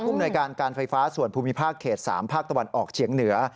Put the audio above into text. มนวยการการไฟฟ้าส่วนภูมิภาคเขต๓ภาคตะวันออกเฉียงเหนือ